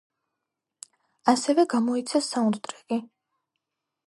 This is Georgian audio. ასევე გამოიცა საუნდტრეკი.